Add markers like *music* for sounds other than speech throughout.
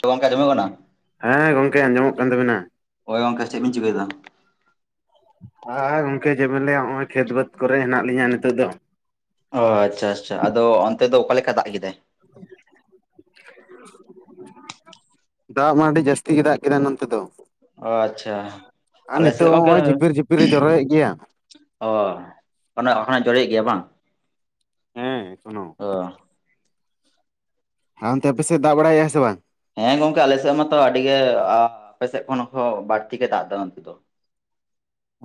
ᱛᱚ ᱜᱚᱢᱠᱮ ᱚᱸᱡᱚᱢᱚᱜᱠᱟᱱᱟ ᱦᱮᱸ ᱜᱚᱢᱠᱮ ᱟᱸᱡᱚᱢᱚᱜ ᱠᱟᱱ ᱛᱟᱵᱤᱱᱟ ᱦᱳᱭ ᱜᱚᱝᱠᱮ ᱪᱮᱫ ᱵᱤᱱ ᱪᱤᱠᱟᱹᱭᱮᱫᱟ? ᱟᱨ ᱜᱚᱝᱠᱮ ᱪᱮᱫ ᱵᱤᱱ ᱞᱟᱹᱭᱟ ᱱᱚᱜᱼᱚᱭ ᱠᱷᱮᱛ ᱵᱟᱹᱛ ᱠᱚᱨᱮ ᱦᱮᱱᱟᱜ ᱞᱤᱧᱟᱹ ᱱᱤᱛᱚᱜ ᱫᱚ, ᱚ ᱟᱪᱪᱷᱟ ᱟᱪᱪᱷᱟ ᱟᱫᱚ ᱚᱱᱛᱮ ᱫᱚ ᱚᱠᱟᱞᱮᱠᱟ ᱫᱟᱜ ᱠᱮᱫᱟᱭ? *unintelligible* ᱫᱟᱜ ᱢᱟ ᱟᱹᱰᱤ ᱡᱟᱹᱥᱛᱤ ᱜᱮ ᱫᱟᱜ ᱠᱮᱫᱟ ᱱᱚᱱ ᱛᱮ ᱫᱚ, ᱚ ᱟᱪᱪᱷᱟ ᱟᱨ ᱟᱞᱮ ᱥᱮᱫ ᱱᱤᱛᱚᱜ ᱦᱚᱸ ᱜᱚᱝᱠᱮ ᱱᱚᱜᱼᱚᱭ ᱡᱷᱤᱯᱤᱨ ᱡᱷᱤᱯᱤᱨ ᱮ ᱡᱚᱨᱚᱭᱮᱫ ᱜᱮᱭᱟ᱾ ᱚ ᱚᱱᱮ ᱮᱠᱷᱱᱟᱜ ᱡᱟᱲᱤᱭᱮᱫ ᱜᱮᱭᱟ ᱵᱟᱝ? ᱦᱮᱸ ᱮᱠᱷᱚᱱᱚ *unintelligible* ᱦᱮᱸ ᱚᱱᱛᱮ ᱟᱯᱮ ᱥᱮᱫ ᱫᱟᱜ ᱵᱟᱲᱟᱭᱮᱫᱼᱟ ᱥᱮ ᱵᱟᱝ? ᱦᱮᱸ ᱜᱚᱝᱠᱮ ᱟᱞᱮ ᱥᱮᱫ ᱢᱟᱛᱚ ᱟᱹᱰᱤ ᱜᱮ ᱟᱯᱮ ᱥᱮᱫ ᱠᱷᱚᱱ ᱦᱚᱸ ᱵᱟᱹᱲᱛᱤ ᱜᱮ ᱫᱟᱜ ᱫᱟ ᱱᱚᱛᱮ ᱫᱚ᱾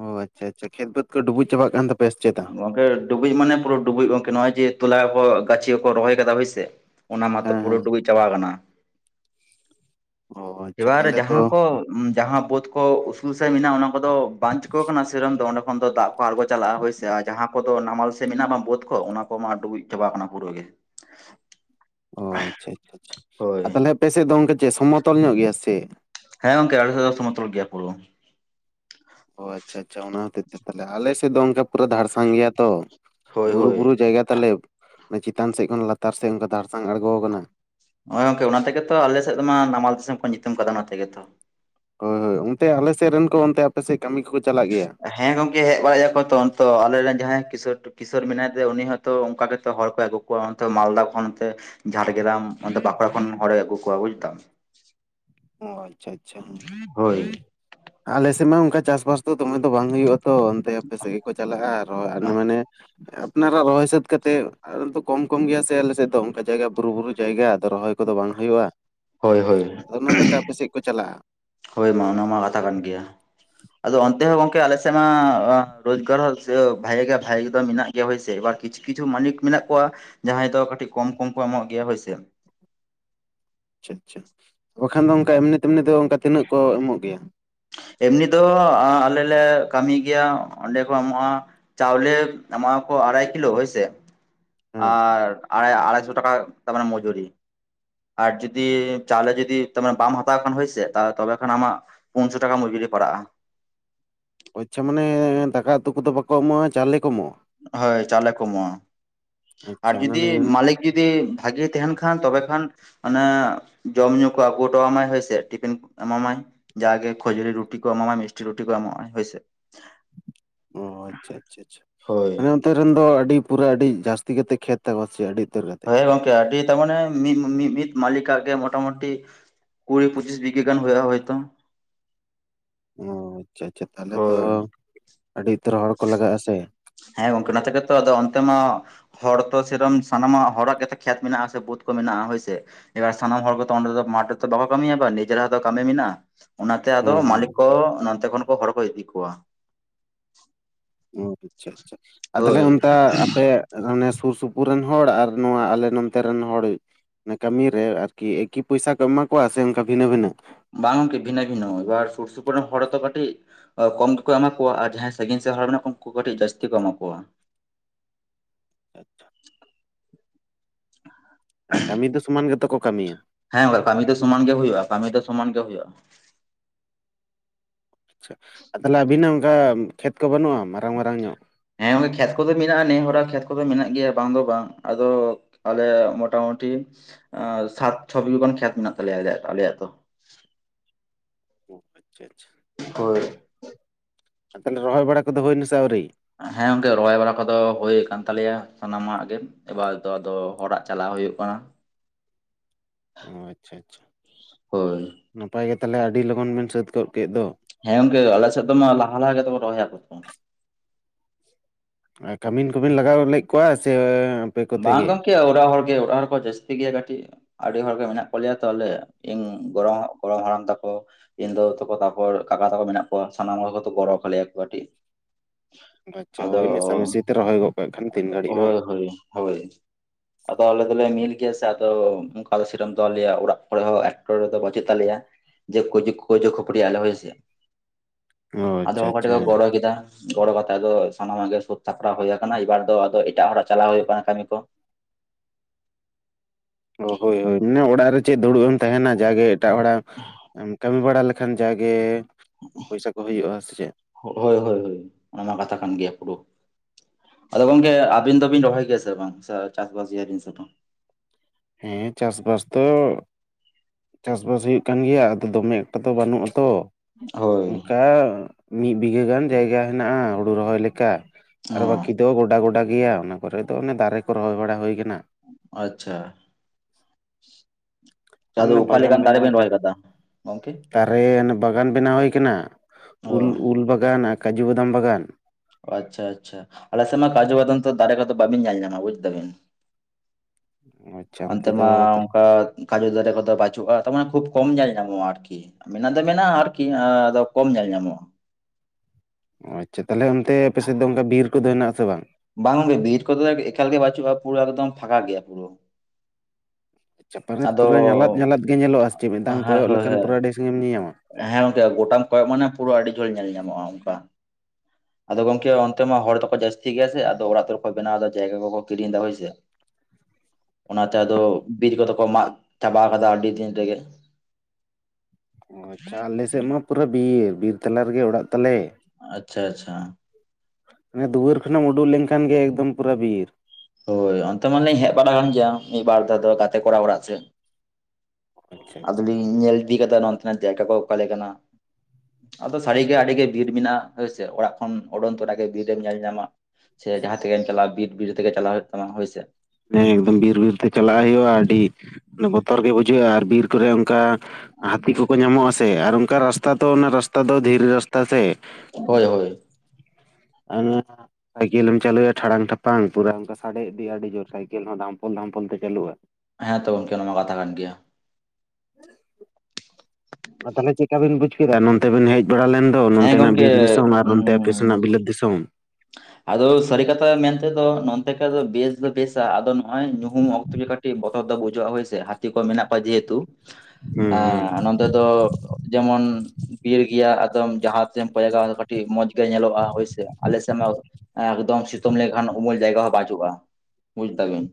ᱚ ᱟᱪᱷᱟ ᱟᱪᱪᱷᱟ ᱠᱷᱮᱛ ᱵᱟᱹᱛ ᱠᱚ ᱰᱩᱵᱩᱡ ᱪᱟᱵᱟᱜ ᱠᱟᱱ ᱛᱟᱯᱮ ᱥᱮ ᱪᱮᱛᱟ? ᱜᱚᱝᱠᱮ ᱰᱩᱵᱩᱡ ᱢᱟᱱᱮ ᱯᱩᱨᱟᱹ ᱰᱩᱵᱩᱡ ᱜᱚᱝᱠᱮ ᱱᱚᱜᱚᱭ ᱡᱮ ᱛᱚᱞᱟ ᱠᱚ ᱜᱟᱪᱷᱤ ᱠᱚ ᱨᱚᱦᱚᱭ ᱟᱠᱟᱫᱟ ᱦᱳᱭ ᱥᱮ, ᱚᱱᱟ ᱢᱟᱛᱚ ᱦᱮᱸ ᱯᱩᱨᱟᱹ ᱦᱮᱸ ᱰᱩᱵᱩᱡ ᱪᱟᱵᱟ ᱠᱟᱱᱟ᱾ ᱚ ᱟᱪᱪᱷᱟ ᱮᱵᱟᱨ ᱛᱟᱦᱚᱞᱮ ᱡᱟᱸᱦᱟ ᱛᱚ ᱠᱚ ᱡᱟᱸᱦᱟ ᱵᱟᱹᱛ ᱠᱚ ᱩᱥᱩᱞ ᱥᱟᱦᱤᱡ ᱢᱮᱱᱟᱜᱼᱟ ᱚᱱᱟ ᱠᱚᱫᱚ ᱵᱟᱝ ᱪᱤᱠᱟᱹ ᱟᱠᱟᱱᱟ ᱥᱮᱨᱟᱢ ᱫᱚ ᱚᱸᱰᱮ, ᱚᱸᱰᱮ ᱠᱷᱚᱱ ᱫᱚ ᱫᱟᱜ ᱟᱲᱜᱳ ᱪᱟᱞᱟᱜᱟ ᱦᱳᱭ ᱥᱮ, ᱥᱮ ᱡᱟᱸᱦᱟ ‌ᱠᱚᱫᱚ ᱱᱟᱢᱟᱞ ᱥᱮ ᱢᱮᱱᱟᱜ ᱵᱟᱝ ᱵᱟᱹᱛ ᱠᱚ ᱚᱱᱟ ᱠᱚᱢᱟ ᱰᱩᱵᱩᱡ ᱪᱟᱵᱟ ᱟᱠᱟᱱᱟ ᱯᱩᱨᱟᱹᱜ ᱜᱮ᱾ ᱚ ᱟᱪᱪᱷᱟ ᱟᱪᱪᱷᱟ ᱟᱪᱪᱷᱟ ᱦᱳᱭ ᱛᱟᱦᱞᱮ ᱟᱯᱮ ᱥᱮᱫ ᱫᱚ ᱚᱱᱠᱟ ᱪᱮᱫ ᱥᱚᱢᱚᱛᱚᱞ ᱧᱚᱜ ᱜᱮᱭᱟ ᱥᱮ? ᱦᱮᱸ ᱜᱚᱝᱠᱮ ᱟᱞᱮ ᱥᱮᱫ ᱫᱚ ᱥᱚᱢᱚᱛᱚᱞ ᱜᱮᱭᱟ ᱯᱩᱨᱟᱹ᱾ ᱚ ᱟᱪᱪᱷᱟ ᱟᱪᱪᱷᱟ ᱚᱱᱟ ᱦᱚᱛᱮᱡ ᱛᱮ ᱛᱟᱦᱞᱮ ᱟᱞᱮ ᱥᱮᱫ ᱫᱚ ᱚᱱᱠᱟ ᱯᱩᱨᱟᱹ ᱫᱷᱟᱲᱥᱟᱝ ᱜᱮᱭᱟ ᱛᱚ᱾ ᱦᱳᱭ ᱵᱩᱨᱩ ᱦᱳᱭ ᱵᱩᱨᱩ ᱡᱟᱭᱜᱟ ᱛᱟᱞᱮ ᱪᱮᱛᱟᱱ ᱥᱮᱫ ᱠᱷᱚᱱ ᱞᱟᱛᱟᱨ ᱥᱮᱫ ᱚᱱᱠᱟ ᱫᱟᱲᱥᱟᱝ ᱟᱲᱜᱳ ᱠᱟᱱᱟ᱾ ᱱᱚᱜᱼᱚ ᱜᱚᱝᱠᱮ ᱚᱱᱟ ᱛᱮᱜᱮ ᱛᱚ ᱟᱞᱮ ᱥᱮᱫ ᱫᱚ ᱢᱟ ᱱᱟᱢᱟᱞ ᱫᱤᱥᱚᱢ ᱠᱷᱚᱱ ᱧᱩᱛᱩᱢ ᱠᱟᱫᱟ ᱚᱱᱟ ᱛᱮᱜᱮ ᱛᱚ᱾ ᱦᱳᱭ ᱦᱳᱭ ᱚᱱᱛᱮ ᱟᱞᱮ ᱥᱮᱫ ᱨᱮᱱ ᱠᱚ ᱚᱱᱛᱮ ᱟᱯᱮ ᱥᱮᱫ ᱠᱟᱹᱢᱤ ᱠᱚᱠᱚ ᱪᱟᱞᱟᱜ ᱜᱮᱭᱟ? ᱦᱮᱸ ᱜᱚᱝᱠᱮ ᱦᱮᱡ ᱵᱟᱲᱟᱜ ᱜᱮᱭᱟ ᱠᱚ ᱛᱚ ᱚᱱᱛᱮ ᱟᱞᱮ ᱨᱮᱱ ᱡᱟᱦᱟᱸᱭ ᱠᱤᱥᱟᱹᱲ, ᱠᱤᱥᱟᱹᱲ ᱢᱮᱱᱟᱭ ᱛᱟᱭ ᱩᱱᱤ ᱦᱚᱸᱛᱚ ᱚᱱᱠᱟ ᱜᱮᱛᱚ ᱦᱚᱲ ᱠᱚ ᱟᱹᱜᱩ ᱠᱚᱣᱟ ᱚᱱᱛᱮ ᱢᱟᱞᱫᱟ ᱠᱷᱚᱱ ᱛᱮ, ᱡᱷᱟᱲᱜᱮᱨᱟᱢ ᱚᱱᱛᱮ ᱵᱟᱸᱠᱩᱲᱟ ᱠᱷᱚᱱ ᱦᱚᱲ ᱮ ᱟᱹᱜᱩ ᱠᱚᱣᱟ ᱵᱩᱡ ᱫᱟᱢ? ᱚ ᱟᱪᱪᱷᱟ ᱟᱪᱪᱷᱟ ᱦᱮᱸ ᱦᱳᱭ ᱟᱞᱮ ᱥᱮᱫ ᱢᱟ ᱚᱱᱠᱟ ᱪᱟᱥ ᱵᱟᱥ ᱫᱚ ᱫᱚᱢᱮ ᱫᱚ ᱵᱟᱝ ᱦᱩᱭᱩᱜᱼ ᱟ ᱛᱚ ᱚᱱᱛᱮ ᱟᱯᱮ ᱥᱮᱫ ᱜᱮ? ᱠᱚ ᱪᱟᱞᱟᱜᱼᱟ ᱨᱚᱦᱚᱭ ᱢᱟᱱᱮ ᱟᱯᱱᱟᱨᱟᱜ ᱨᱚᱦᱚᱭ ᱥᱟᱹᱛ ᱠᱟᱛᱮᱜ ᱠᱚᱢ ᱠᱚᱢ ᱜᱮᱭᱟ ᱥᱮ ᱟᱞᱮ ᱥᱮᱫ ᱫᱚ ᱚᱱᱠᱟ ᱡᱟᱭᱜᱟ ᱵᱩᱨᱩ ᱵᱩᱨᱩ ᱡᱟᱭᱜᱟ, ᱨᱚᱦᱚᱭ ᱠᱚᱫᱚ ᱵᱟᱝ ᱦᱳᱭᱳᱜᱼᱟ᱾ ᱦᱳᱭ ᱦᱳᱭ ᱚᱱᱟ ᱦᱚᱛᱮ ᱟᱯᱮ ᱥᱮᱫ ᱠᱚ ᱪᱟᱞᱟᱜᱼᱟ᱾ ᱦᱳᱭ ᱢᱟ ᱚᱱᱟ ᱢᱟ ᱠᱟᱛᱷᱟ ᱠᱟᱱ ᱜᱮᱭᱟ᱾ ᱟᱫᱚ ᱚᱱᱛᱮ ᱦᱚᱸ ᱜᱚᱝᱠᱮ ᱟᱞᱮ ᱥᱮᱫ ᱢᱟ ᱨᱳᱡᱽᱜᱟᱨ ᱦᱚᱸ ᱥᱮ ᱵᱷᱟᱜᱮ ᱜᱮ ᱵᱷᱟᱜᱮ ᱫᱚ ᱢᱮᱱᱟᱜ ᱜᱮᱭᱟ ᱦᱳᱭ ᱥᱮ ᱮᱵᱟᱨ ᱠᱤᱪᱷᱩ ᱠᱤᱪᱷᱩ ᱢᱟᱹᱞᱤᱠ ᱢᱮᱱᱟᱜ ᱠᱚᱣᱟ ᱡᱟᱦᱟᱸᱭ ᱫᱚ ᱠᱟᱹᱴᱤᱡ ᱠᱚᱢ ᱠᱚᱢ ᱠᱚ ᱮᱢᱚᱜ ᱜᱮᱭᱟ ᱦᱳᱭ ᱥᱮ᱾ ᱟᱪᱪᱷᱟ ᱟᱪᱪᱷᱟ ᱵᱟᱠᱷᱟᱱ ᱫᱚ ᱚᱱᱠᱟ ᱮᱢᱱᱤ ᱛᱮᱢ ᱱᱤ ᱫᱚ ᱚᱱᱠᱟ ᱛᱤᱱᱟᱹᱜ ᱠᱚ ᱮᱢᱚᱜ ᱜᱮᱭᱟ? ᱮᱢᱱᱤ ᱫᱚ ᱟᱞᱮ ᱞᱮ ᱠᱟᱹᱢᱤ ᱜᱮᱭᱟ ᱚᱸᱰᱮ ᱠᱚ ᱮᱢᱚᱜᱼᱟ ᱪᱟᱣᱞᱮ ᱮᱢᱟᱜ ᱟᱠᱚ ᱟᱲᱟᱭ ᱠᱤᱞᱳ ᱦᱳᱭ ᱥᱮ, ᱦᱮᱸ ᱟᱨ ᱟᱲᱟᱭ ᱟᱲᱟᱭ ᱥᱚ ᱴᱟᱠᱟ ᱛᱟᱨ ᱢᱟᱱᱮ ᱢᱚᱡᱩᱨᱤ, ᱟᱨ ᱡᱩᱫᱤ ᱪᱟᱣᱞᱮ ᱡᱩᱫᱤ ᱵᱟᱢ ᱦᱟᱛᱟᱣ ᱠᱷᱟᱱ ᱦᱳᱭ ᱥᱮ ᱛᱚᱵᱮ ᱠᱷᱟᱱ ᱟᱢᱟᱜ ᱯᱩᱱ ᱥᱚ ᱴᱟᱠᱟ ᱢᱚᱡᱩᱨᱤ ᱯᱟᱲᱟᱜᱼᱟ᱾ ᱟᱪᱪᱷᱟ ᱢᱟᱱᱮ ᱫᱟᱠᱟ ᱩᱛᱩ ᱠᱚᱫᱚ ᱵᱟᱠᱚ ᱮᱢᱚᱜᱼᱟ ᱪᱟᱣᱞᱮ ᱠᱚ ᱮᱢᱚᱜᱼᱟ? ᱦᱳᱭ ᱪᱟᱣᱞᱮ ᱠᱚ ᱮᱢᱚᱜᱼᱟ᱾ ᱟᱨ ᱟᱪᱪᱷᱟ ᱚᱱᱟ ᱡᱩᱫᱤ ᱱᱤᱭᱮ ᱢᱟᱹᱞᱤᱠ ᱡᱩᱫᱤ ᱵᱷᱟᱜᱮ ᱛᱟᱦᱮᱱ ᱠᱷᱟᱱ ᱛᱚᱵᱮ ᱠᱷᱟᱱ ᱢᱟᱱᱮ ᱡᱚᱢ ᱧᱩ ᱠᱚ ᱟᱹᱜᱩ ᱦᱚᱴᱚ ᱟᱢᱟᱭ ᱦᱳᱭ ᱥᱮ ᱴᱤᱯᱷᱤᱱ ᱮᱢᱟ ᱢᱟᱭ, ᱡᱟᱜᱮ ᱠᱷᱚᱸᱡᱚᱲᱤ ᱨᱩᱴᱤ ᱠᱚ ᱮᱢᱟ ᱢᱟᱭ ᱢᱤᱥᱴᱤ ᱨᱩᱴᱤ ᱠᱚ ᱮᱢᱟ ᱴᱟᱝ ᱦᱳᱭ ᱥᱮ, ᱚ ᱟᱪᱪᱷᱟ ᱟᱪᱪᱷᱟ ᱟᱪᱪᱷᱟ ᱦᱳᱭ *unintelligible* ᱛᱮ ᱨᱮᱱ ᱫᱚ ᱟᱹᱰᱤ ᱯᱩᱨᱟᱹ ᱟᱹᱰᱤ ᱡᱟᱹᱥᱛᱤ ᱠᱟᱛᱮᱫ ᱠᱷᱮᱛ ᱛᱟᱠᱚᱣᱟ ᱥᱮ ᱟᱹᱰᱤ ᱩᱛᱟᱹᱨ ᱠᱟᱛᱮ? ᱦᱮᱸ ᱜᱚᱝᱠᱮ ᱟᱹᱰᱤ ᱛᱟ ᱢᱟᱱᱮ ᱢᱤᱢᱤᱫ ᱢᱟᱹᱞᱤᱠ ᱟᱜ ᱜᱮ ᱢᱚᱴᱟᱢᱩᱴᱤ ᱠᱩᱲᱤ ᱯᱚᱸᱪᱤᱥ ᱵᱤᱜᱷᱟ ᱜᱟᱱ ᱦᱳᱭᱳᱜᱼᱟ ᱦᱳᱭ ᱛᱚ᱾ ᱚ ᱟᱪᱪᱷᱟ ᱟᱪᱪᱷᱟ ᱛᱟᱦᱞᱮ ᱛᱚ ᱦᱳᱭ ᱟᱹᱰᱤ ᱩᱛᱟᱹᱨ ᱦᱚᱲ ᱠᱚ ᱞᱟᱜᱟᱜᱼᱟ ᱥᱮ᱾ ᱦᱮᱸ ᱜᱚᱝᱠᱮ ᱚᱱᱟ ᱛᱮᱜᱮ ᱛᱚ ᱟᱫᱚ ᱚᱱᱛᱮ ᱦᱚ ᱦᱚᱲ ᱛᱚ ᱥᱮ ᱨᱚᱠᱚᱢ ᱥᱟᱱᱟᱢ ᱟᱜ ᱦᱚᱲᱟᱜ ᱜᱮᱛᱚ ᱠᱷᱮᱛ ᱢᱮᱱᱟᱜᱼᱟ ᱥᱮ ᱵᱟᱹᱛ ᱠᱚ ᱢᱮᱱᱟᱜᱼᱟ ᱦᱳᱭ ᱥᱮ᱾ ᱮ ᱵᱟᱨ ᱥᱟᱱᱟᱢ ᱦᱚᱲ ᱜᱮᱛᱚ ᱚᱸᱰᱮ ᱫᱚ ᱢᱟᱴ ᱨᱮᱛᱚ ᱵᱟᱠᱚ ᱠᱟᱹᱢᱤᱭᱟ ᱮᱵᱟᱨ ᱱᱤᱡᱮᱨᱟᱜ ᱦᱚᱸᱛᱚ ᱠᱟᱹᱢᱤ ᱢᱮᱱᱟᱜᱼᱟ᱾ ᱚᱱᱟᱛᱮ ᱟᱫᱚ ᱦᱮᱸ ᱦᱮᱸ ᱢᱟᱹᱞᱤᱠ ᱠᱚ ᱱᱚᱱᱛᱮ ᱠᱷᱚᱱ ᱠᱚ ᱦᱚᱲ ᱠᱚ ᱤᱫᱤ ᱠᱚᱣᱟ᱾ ᱚ ᱟᱪᱪᱷᱟ ᱟᱪᱪᱷᱟ ᱦᱳᱭ *unintelligible* ᱟᱯᱮ ᱚᱱᱮ ᱥᱩᱨ ᱥᱩᱯᱩᱨ ᱨᱮᱱ ᱦᱚᱲ ᱟᱨ ᱱᱚᱣᱟ ᱟᱞᱮ ᱱᱚᱱᱛᱮ ᱨᱮᱱ ᱦᱚᱲ *unintelligible* ᱠᱟᱹᱢᱤ ᱨᱮ ᱟᱨᱠᱤ ᱮᱠᱤ ᱯᱚᱭᱥᱟ ᱠᱚ ᱮᱢᱟ ᱠᱚᱣᱟ ᱥᱮ ᱚᱱᱠᱟ ᱵᱷᱤᱱᱟᱹ ᱵᱷᱤᱱᱟᱹ᱾ ᱵᱟᱝ ᱜᱚᱝᱠᱮ ᱵᱷᱤᱱᱟᱹ ᱵᱷᱤᱱᱟᱹ ᱮᱵᱟᱨ ᱥᱩᱨ ᱥᱩᱯᱩᱨ ᱦᱚᱲ ᱫᱚ ᱠᱟᱹᱴᱤᱡ ᱠᱚᱢ ᱜᱮᱠᱚ ᱮᱢᱟ ᱠᱚᱣᱟ ᱟᱨ ᱡᱟᱦᱟᱸᱭ ᱥᱟᱺᱜᱤᱧ ᱥᱮᱱ ᱦᱚᱲ ᱢᱮᱱᱟᱜ ᱠᱚᱣᱟ ᱩᱱᱠᱩ ᱠᱟᱹᱴᱤᱡ ᱡᱟᱹᱥᱛᱤ ᱠᱚ ᱮᱢᱟ ᱠᱚᱣᱟ᱾ ᱟᱨ ᱠᱟᱹᱢᱤ ᱫᱚ ᱥᱚᱢᱟᱱ ᱜᱮᱛᱚ ᱠᱚ ᱠᱟᱹᱢᱤᱭᱟ᱾ ᱦᱮᱸ *unintelligible* ᱠᱟᱹᱢᱤ ᱫᱚ ᱥᱚᱢᱟᱱ ᱜᱮ ᱦᱩᱭᱩᱜᱼᱟ ᱠᱟᱹᱢᱤ ᱫᱚ ᱥᱚᱢᱟᱱ ᱜᱮ ᱦᱳᱭᱳᱜᱼᱟ ᱾ ᱟᱪᱪᱷᱟ ᱟᱨ ᱛᱟᱦᱚᱞᱮ ᱟᱹᱵᱤᱱᱟᱜ ᱚᱱᱠᱟ ᱠᱷᱮᱛ ᱠᱚ ᱵᱟᱹᱱᱩᱜᱼᱟ ᱢᱟᱨᱟᱝ ᱢᱟᱨᱟᱝ ᱧᱚᱜ᱾ ᱦᱮᱸ ᱜᱚᱝᱠᱮ ᱠᱷᱮᱛ ᱠᱚᱫᱚ ᱢᱮᱱᱟᱜᱼᱟ ᱱᱮ ᱦᱚᱲᱟᱜ ᱠᱷᱮᱛ ᱠᱚᱫᱚ ᱢᱮᱱᱟᱜ ᱜᱮᱭᱟ ᱵᱟᱝ ᱫᱚ ᱵᱟᱝ ᱟᱫᱚ ᱟᱞᱮᱭᱟᱜ ᱢᱚᱴᱟᱢᱩᱴᱤ ᱥᱟᱛ ᱪᱷᱚ ᱵᱤᱜᱷᱟᱹ ᱜᱟᱱ ᱠᱷᱮᱛ ᱢᱮᱱᱟᱜ ᱛᱟᱞᱮᱭᱟ ᱟᱞᱮ ᱟᱞᱮᱭᱟᱜ ᱫᱚ᱾ ᱚ ᱟᱪᱪᱷᱟ ᱟᱪᱪᱷᱟ᱾ ᱦᱳᱭ ᱟᱨ ᱛᱟᱦᱚᱞᱮ ᱨᱚᱦᱚᱭ ᱵᱟᱲᱟ ᱠᱚᱫᱚ ᱦᱩᱭ ᱮᱱᱟ ᱥᱮ ᱟᱹᱣᱨᱤ? ᱦᱮᱸ ᱜᱚᱝᱠᱮ ᱨᱚᱦᱚᱭ ᱵᱟᱲᱟ ᱠᱚᱫᱚ ᱦᱩᱭ ᱟᱠᱟᱱ ᱛᱟᱞᱮᱭᱟ ᱥᱟᱱᱟᱢᱟᱜ ᱜᱮ᱾ ᱮᱵᱟᱨ ᱫᱚ ᱟᱫᱚ ᱦᱚᱲᱟᱜ ᱪᱟᱞᱟᱣ ᱦᱳᱭᱳᱜ ᱠᱟᱱᱟ᱾ ᱚ ᱟᱪᱪᱷᱟ ᱟᱪᱪᱷᱟ, ᱦᱳᱭ ᱱᱟᱯᱟᱭ ᱜᱮ ᱛᱟᱦᱚᱞᱮ ᱟᱹᱰᱤ ᱞᱚᱜᱚᱱ ᱵᱮᱱ ᱥᱟᱹᱛ ᱜᱚᱫ ᱠᱮᱫ ᱫᱚ᱾ ᱦᱮᱸ ᱜᱚᱝᱠᱮ ᱟᱞᱮ ᱥᱮᱫ ᱫᱚᱢᱟ ᱞᱟᱦᱟ ᱞᱟᱦᱟ ᱜᱮᱛᱚ ᱠᱚ ᱨᱚᱦᱚᱭᱼᱟ ᱵᱟᱹᱫ ᱠᱚ᱾ ᱠᱟᱹᱢᱤᱱ ᱠᱚᱵᱤᱱ ᱞᱟᱜᱟᱣ ᱞᱮᱫ ᱠᱚᱣᱟ ᱥᱮ ᱟᱯᱮ ᱠᱚᱛᱮ ᱵᱟᱝ ᱜᱮ? ᱜᱚᱝᱠᱮ ᱚᱲᱟᱜ ᱦᱚᱲᱜᱮ ᱚᱲᱟᱜ ᱦᱚᱲ ᱠᱚ ᱡᱟᱹᱥᱛᱤ ᱜᱮᱭᱟ ᱠᱟᱹᱴᱤᱡ᱾ ᱟᱹᱰᱤ ᱦᱚᱲᱜᱮ ᱢᱮᱱᱟᱜ ᱠᱚ ᱞᱮᱭᱟ ᱛᱚ ᱤᱧ ᱜᱚᱲᱚ-ᱜᱚᱲᱚᱢ ᱦᱟᱲᱟᱢ ᱛᱟᱠᱚ᱾ ᱤᱧ ᱫᱟᱹᱫᱩ ᱛᱟᱠᱚ ᱛᱟᱨᱯᱚᱨ ᱠᱟᱠᱟ ᱛᱟᱠᱚ ᱢᱮᱱᱟᱜ ᱠᱚᱣᱟ ᱥᱟᱱᱟᱢ ᱦᱚᱲᱚ ᱜᱮᱛᱚ ᱜᱚᱲᱚ ᱠᱮᱞᱮᱭᱟᱠᱚ ᱠᱟᱹᱴᱤᱡ᱾ ᱟᱪᱪᱷᱟ ᱟᱫᱚ ᱦᱳᱭ ᱢᱮᱥᱟᱢᱤᱥᱤ ᱛᱮ ᱨᱚᱦᱚᱭ ᱜᱚᱫ ᱠᱟᱜ ᱠᱷᱟᱱ ᱛᱤᱱ ᱜᱷᱟᱹᱲᱤᱡ ᱵᱟᱝ᱾ ᱦᱳᱭ ᱦᱳᱭ ᱦᱳᱭ ᱟᱫᱚ ᱟᱞᱮ ᱫᱚᱞᱮ ᱢᱤᱞ ᱜᱮᱭᱟ ᱥᱮ ᱟᱫᱚ ᱚᱱᱠᱟ ᱥᱤᱨᱚᱢ ᱫᱚ ᱟᱞᱮ ᱚᱲᱟᱜ ᱠᱚᱨᱮ ᱦᱚᱸ ᱮᱴᱠᱮᱴᱚᱬᱮ ᱫᱚ ᱵᱟᱹᱪᱩᱜ ᱛᱟᱞᱮᱭᱟ᱾ ᱡᱮ ᱠᱟᱹᱭᱡᱟᱹ ᱠᱟᱹᱭᱡᱟᱹᱠᱷᱟᱹᱯᱟᱹᱨᱤ ᱟᱞᱮ ᱦᱚᱭ ᱥᱮ ᱚ ᱟᱫᱚ ᱟᱪᱪᱷᱟ ᱠᱟᱴᱤᱹᱡ ᱟᱪᱪᱷᱟ ᱠᱚ ᱦᱮᱸ ᱜᱚᱲᱚ ᱠᱮᱫᱟ᱾ ᱜᱚᱲᱚ ᱠᱟᱛᱮ ᱟᱫᱚ ᱥᱟᱱᱟᱢᱟᱜ ᱜᱮ ᱥᱟᱹᱛ ᱥᱟᱯᱲᱟᱣ ᱦᱳᱭ ᱟᱠᱟᱱᱟ ᱮᱵᱟᱨ ᱫᱚ ᱟᱫᱚ ᱮᱴᱟᱜ ᱦᱚᱲᱟᱜ ᱪᱟᱞᱟᱣ ᱦᱳᱭᱳᱜ ᱠᱟᱱᱟ ᱠᱟᱹᱢᱤ ᱠᱚ᱾ ᱚ ᱦᱳᱭ ᱦᱳᱭ ᱢᱟᱱᱮ ᱚᱲᱟᱜ ᱨᱮ ᱪᱮᱫ ᱫᱩᱲᱩᱵ ᱮᱢ ᱛᱟᱦᱮᱱᱟ ᱡᱟᱜᱮ ᱮᱴᱟᱜ ᱦᱚᱲᱟᱜ ᱠᱟᱹᱢᱤ ᱵᱟᱲᱟ ᱞᱮᱠ ᱠᱷᱟᱱ ᱡᱟᱜᱮ ᱯᱚᱭᱥᱟ ᱠᱚ ᱦᱩᱭᱩᱜᱼᱟ ᱥᱮ ᱪᱮᱜ᱾ ᱦᱳᱭ ᱦᱳᱭ ᱦᱳᱭ ᱚᱱᱟ ᱢᱟ ᱠᱟᱛᱷᱟ ᱠᱟᱱ ᱜᱮᱭᱟ ᱯᱩᱨᱟᱹ᱾ ᱟᱫᱚ ᱜᱚᱝᱠᱮ ᱟᱵᱤᱱ ᱫᱚᱵᱤᱱ ᱨᱚᱦᱚᱭ ᱜᱮᱭᱟ ᱥᱮ ᱵᱟᱝ, ᱪᱟᱹᱥᱵᱟᱥ ᱜᱮᱭᱟᱵᱤᱱ ᱥᱮ ᱵᱟᱝ? ᱦᱮᱸ ᱪᱟᱹᱥ ᱵᱟᱥ ᱫᱚ ᱪᱟᱹᱥᱵᱟᱥ ᱦᱩᱭᱩᱜ ᱠᱟᱱ ᱜᱮᱭᱟ ᱟᱫᱚ ᱫᱚᱢᱮ ᱮᱠᱴᱟ ᱛᱚ ᱵᱟᱹᱱᱩᱜᱼᱟ ᱛᱚ᱾ ᱦᱳᱭ ᱚᱱᱠᱟ ᱢᱤᱜ ᱵᱤᱜᱷᱟᱹ ᱜᱟᱱ ᱡᱟᱭᱜᱟ ᱦᱮᱱᱟᱜᱼᱟ ᱦᱳᱲᱳ ᱨᱚᱦᱚᱭ ᱞᱮᱠᱟ᱾ ᱟᱨ ᱚ ᱵᱟᱹᱠᱤ ᱫᱚ ᱜᱚᱰᱟ ᱜᱚᱰᱟ ᱜᱮᱭᱟ ᱚᱱᱟ ᱠᱚᱨᱮ ᱫᱚ ᱚᱱᱮ ᱫᱟᱨᱮ ᱠᱚ ᱨᱚᱦᱚᱭ ᱵᱟᱲᱟ ᱦᱤᱭ ᱠᱟᱱᱟ᱾ ᱟᱪᱪᱷᱟ ᱟᱫᱚ ᱢᱟᱱᱮ ᱚᱠᱟ ᱞᱮᱠᱟᱱ ᱫᱟᱨᱮ ᱵᱮᱱ ᱨᱚᱦᱚᱭ ᱠᱟᱫᱟ ᱜᱚᱝᱠᱮ? ᱟᱨᱮ ᱵᱟᱜᱟᱱ ᱵᱮᱱᱟᱣ ᱦᱳᱭ ᱠᱟᱱᱟ, ᱚ ᱩᱞ-ᱩᱞ ᱵᱟᱜᱟᱱ ᱟᱨ ᱠᱟᱡᱩ ᱵᱟᱫᱟᱢ ᱵᱟᱜᱟᱱ᱾ ᱟᱪᱪᱷᱟ ᱟᱪᱪᱷᱟ ᱟᱞᱮ ᱥᱮᱱ ᱢᱟ ᱠᱟᱡᱩ ᱵᱟᱫᱟᱢ ᱛᱚ ᱫᱟᱨᱮ ᱠᱚᱫᱚ ᱵᱟᱵᱤᱱ ᱧᱮᱞ ᱧᱟᱢᱟ, ᱵᱩᱡ ᱫᱟ ᱵᱤᱱ᱾ ᱟᱪᱪᱷᱟ ᱚᱱᱛᱮ ᱫᱚ ᱢᱟ ᱛᱟᱦᱚᱞᱮ ᱚᱱᱠᱟ ᱠᱟᱡᱩ ᱫᱟᱨᱮ ᱠᱚᱫᱚ ᱵᱟᱹᱪᱩᱜᱼᱟ ᱛᱚᱢᱮ ᱠᱷᱩᱵ ᱠᱚᱢ ᱧᱮᱞ ᱧᱟᱢᱚᱜᱼᱟ ᱟᱨᱠᱤ᱾ ᱢᱮᱱᱟᱜ ᱫᱚ ᱢᱮᱱᱟᱜᱼᱟ ᱟᱨᱠᱤ ᱟᱫᱚ ᱠᱚᱢ ᱧᱮᱞ ᱧᱟᱢᱚᱜᱼᱟ᱾ ᱪᱮᱫ ᱛᱟᱦᱚᱞᱮ ᱚᱱᱛᱮ ᱟᱯᱮ ᱥᱮᱫ ᱫᱚ ᱚᱱᱠᱟ ᱵᱤᱨ ᱠᱚᱫᱚ ᱦᱮᱱᱟᱜ ᱟᱥᱮ ᱵᱟᱝ? ᱵᱟᱝ ᱜᱚᱝᱠᱮ ᱵᱤᱨ ᱠᱚᱫᱚ ᱮᱠᱟᱞ ᱜᱮ ᱵᱟᱹᱪᱩᱜᱼᱟ ᱯᱩᱨᱟᱹ ᱮᱠᱫᱚᱢ ᱯᱷᱟᱸᱠᱟ ᱜᱮᱭᱟ ᱯᱩᱨᱟᱹ᱾ ᱪᱟᱯᱟᱱ ᱨᱮ ᱟᱫᱚ ᱯᱩᱨᱟᱹ ᱧᱟᱞᱟᱫ ᱧᱟᱞᱟᱫ ᱜᱮ ᱧᱮᱞᱚᱜᱼᱟ ᱥᱮ ᱪᱮᱫ ᱢᱤᱫ ᱫᱷᱟᱣ ᱮᱢ ᱦᱮᱸ ᱠᱚᱭᱚᱜ ᱦᱳᱭ ᱞᱮᱠᱷᱟᱱ ᱦᱳᱭ ᱯᱩᱨᱟᱹ ᱟᱹᱰᱤ ᱥᱟᱹᱜᱤᱧ ᱮᱢ ᱧᱮᱞ ᱧᱟᱢᱟ ᱦᱮᱸ ᱜᱚᱝᱠᱮ ᱜᱚᱴᱟᱢ ᱠᱚᱭᱚᱜ ᱢᱟᱱᱮ ᱯᱩᱨᱟᱹ ᱟᱹᱰᱤ ᱡᱷᱟᱹᱞ ᱧᱮᱞ ᱧᱟᱢᱚᱜᱼᱟ ᱚᱱᱠᱟ ᱟᱫᱚ ᱜᱚᱝᱠᱮ ᱚᱱᱛᱮ ᱢᱟ ᱦᱚᱲ ᱫᱚᱠᱚ ᱡᱟᱹᱥᱛᱤ ᱜᱮᱭᱟ ᱥᱮ ᱟᱫᱚ ᱚᱲᱟᱜ ᱫᱩᱣᱟᱹᱨ ᱠᱚ ᱵᱮᱱᱟᱣ ᱮᱫᱟ ᱡᱟᱭᱜᱟ ᱠᱚᱠᱚ ᱠᱤᱨᱤᱧ ᱫᱟ ᱦᱳᱭ ᱥᱮ *inaudible* ᱚᱱᱟᱛᱮ ᱟᱫᱚ ᱵᱤᱨ ᱠᱚᱫᱚ ᱠᱚ ᱢᱟᱜ ᱪᱟᱵᱟᱣ ᱟᱠᱟᱫᱟ ᱟᱹᱰᱤ ᱫᱤᱱ ᱨᱮᱜᱮ ᱚ ᱟᱪᱪᱷᱟ ᱟᱞᱮ ᱥᱮᱫ ᱢᱟ ᱯᱩᱨᱟᱹ ᱵᱤᱨ ᱵᱤᱨ ᱛᱟᱞᱟ ᱨᱮᱜᱮ ᱚᱲᱟᱜ ᱛᱟᱞᱮ ᱟᱪᱪᱷᱟ ᱟᱪᱪᱷᱟ ᱢᱟᱱᱮ ᱫᱩᱣᱟᱹᱨ ᱠᱷᱚᱱᱮᱢ ᱩᱰᱩᱠ ᱞᱮᱱᱠᱷᱟᱱ ᱜᱮ ᱮᱠᱫᱚᱢ ᱯᱩᱨᱟᱹ ᱵᱤᱨ ᱦᱳᱭ ᱚᱱᱛᱮ ᱢᱟ ᱞᱤᱧ ᱦᱮᱡ ᱵᱟᱲᱟ ᱟᱠᱟᱱ ᱜᱮᱭᱟ ᱢᱤᱫ ᱵᱟᱨ ᱫᱷᱟᱣ ᱫᱚ ᱜᱟᱛᱮ ᱠᱚᱲᱟ ᱟᱜ ᱚᱲᱟᱜ ᱥᱮᱫ ᱟᱪᱪᱷᱟ ᱟᱫᱚ ᱞᱤᱧ ᱧᱮᱞ ᱤᱫᱤ ᱠᱟᱫᱟ ᱱᱚᱱᱛᱮᱱᱟᱜ ᱡᱟᱭᱜᱟ ᱠᱚ ᱚᱠᱟ ᱞᱮᱠᱟᱱᱟ᱾ ᱟᱫᱚ ᱥᱟᱹᱨᱤᱜᱮ ᱟᱹᱰᱤᱜᱮ ᱵᱤᱨ ᱢᱮᱱᱟᱜᱼᱟ ᱦᱳᱭᱥᱮ ᱚᱲᱟᱜ ᱠᱷᱚᱱ ᱚᱰᱚᱝ ᱛᱚᱨᱟ ᱜᱮ ᱵᱤᱨ ᱮᱢ ᱧᱮᱞ ᱧᱟᱢᱟ ᱥᱮ ᱡᱟᱦᱟᱸ ᱛᱮᱜᱮᱢ ᱪᱟᱞᱟᱜᱼᱟ ᱵᱤᱨ ᱵᱤᱨ ᱛᱮᱜᱮ ᱪᱟᱞᱟᱜ ᱦᱩᱭᱩᱜ ᱛᱟᱢᱟ ᱦᱳᱭ ᱥᱮ ᱦᱮᱸ ᱮᱠᱫᱚᱢ ᱵᱤᱨ ᱵᱤᱨ ᱛᱮ ᱪᱟᱞᱟᱜ ᱦᱩᱭᱩᱜᱼᱟ ᱟᱹᱰᱤ ᱵᱚᱛᱚᱨ ᱜᱮ ᱵᱩᱡᱷᱟᱹᱜᱼᱟ ᱟᱨ ᱵᱤᱨ ᱠᱚᱨᱮ ᱚᱱᱠᱟ ᱦᱟᱹᱛᱤ ᱠᱚᱠᱚ ᱧᱟᱢᱚᱜ ᱟᱥᱮ ᱟᱨ ᱚᱱᱠᱟ ᱨᱟᱥᱛᱟ ᱫᱚ ᱚᱱᱟ ᱨᱟᱥᱛᱟ ᱫᱚ ᱫᱷᱤᱨᱤ ᱨᱟᱥᱛᱟ ᱥᱮ ᱦᱳᱭ ᱦᱳᱭ *unintelligible* ᱥᱟᱭᱠᱮᱞ ᱦᱚᱢ ᱪᱟᱹᱞᱩᱭᱟ ᱴᱟᱲᱟᱝ ᱴᱷᱟᱯᱟᱝ ᱯᱩᱨᱟᱹ ᱚᱱᱠᱟ ᱥᱟᱰᱮ ᱤᱫᱤᱜ-ᱟ ᱟᱹᱰᱤ ᱡᱳᱨ ᱥᱟᱭᱠᱮᱞ ᱦᱚᱸ ᱫᱷᱟᱢᱯᱚᱞ ᱫᱷᱟᱢᱯᱚᱞ ᱛᱮ ᱪᱟᱹᱞᱩᱜᱼᱟ ᱦᱮᱸ ᱛᱚ ᱜᱚᱝᱠᱮ ᱱᱚᱣᱟ ᱢᱟ ᱠᱟᱛᱷᱟ ᱠᱟᱱ ᱜᱮᱭᱟ ᱛᱟᱦᱚᱞᱮ ᱪᱮᱠᱟ ᱵᱤᱱ ᱵᱩᱡ ᱠᱮᱫᱟ ᱱᱚᱛᱛᱮ ᱵᱤᱱ ᱦᱮᱡ ᱵᱟᱲᱟ ᱞᱮᱱ ᱫᱚ ᱦᱮᱸ ᱱᱚᱱᱛᱮᱱᱟᱜ ᱜᱚᱝᱠᱮ ᱵᱤᱨ ᱫᱤᱥᱚᱢ ᱟᱨ ᱚᱱᱛᱮ ᱟᱯᱮ ᱩᱸᱻ ᱥᱮᱱᱟᱜ ᱵᱤᱞᱟᱹᱛ ᱫᱤᱥᱚᱢ ᱟᱫᱚ ᱥᱟᱹᱨᱤ ᱠᱟᱛᱷᱟ ᱢᱮᱱᱛᱮ ᱫᱚ ᱱᱚᱱᱛᱮ ᱠᱟᱜ ᱫᱚ ᱵᱮᱥ ᱫᱚ ᱵᱮᱥᱼᱟ ᱟᱫᱚ ᱱᱚᱜᱚᱭ ᱧᱩᱦᱩᱢ ᱚᱠᱛᱚ ᱜᱮ ᱠᱟᱹᱴᱤᱡ ᱵᱚᱛᱚᱨ ᱫᱚ ᱵᱩᱡᱷᱩᱜᱼᱟ ᱦᱳᱭ ᱥᱮ ᱦᱟᱹᱛᱤ ᱠᱚ ᱢᱮᱱᱟᱜ ᱠᱚᱣᱟ ᱡᱮᱦᱮᱛᱩ ᱦᱩᱸ ᱦᱮ ᱦᱩᱸ ᱱᱟᱛᱮ ᱫᱚ ᱡᱮᱢᱚᱱ ᱵᱤᱨ ᱜᱮᱭᱟ ᱮᱠᱫᱚᱢ ᱡᱟᱦᱟᱸ ᱛᱮᱢ ᱠᱚ ᱞᱟᱜᱟᱣ ᱠᱟᱹᱴᱤᱡ ᱢᱚᱸᱡᱽ ᱜᱮ ᱧᱮᱞᱚᱜᱼᱟ ᱦᱳᱭᱥᱮ ᱟᱞᱮ ᱥᱮᱫ ᱢᱟ ᱮᱠᱫᱚᱢ ᱥᱮ ᱥᱤᱛᱳᱝ ᱞᱮᱠᱷᱟᱱ ᱩᱢᱩᱞ ᱡᱟᱭᱜᱟ ᱦᱚᱸ ᱵᱟᱹᱪᱩᱜᱼᱟ ᱵᱩᱡ ᱫᱟᱵᱤᱱ